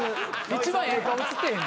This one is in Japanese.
一番ええ顔映ってへん。